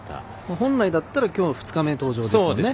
本来だったらきょう２日目の登場ですもんね。